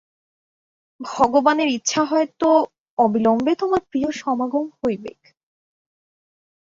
ভগবানের ইচ্ছা হয় ত অবিলম্বে তোমার প্রিয় সমাগম হইবেক।